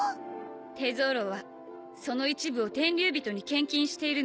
テゾーロはその一部を天竜人に献金しているの。